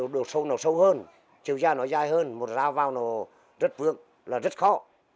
đồ sâu nó sâu hơn chiều da nó dài hơn một dao vào nó rất vượt là rất khó